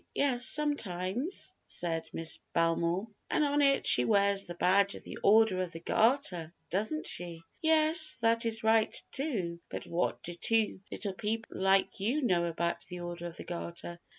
"Yes, sometimes," said Miss Belmore. "And on it she wears the badge of the Order of the Garter, doesn't she?" "Yes, that is right, too; but what do two little people like you know about the Order of the Garter?"